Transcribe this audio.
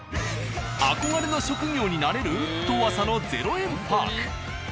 憧れの職業になれる！？と噂の０円パーク。